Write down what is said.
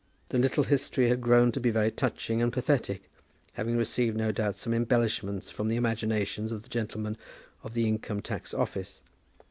The little history had grown to be very touching and pathetic, having received, no doubt, some embellishments from the imaginations of the gentlemen of the Income tax Office.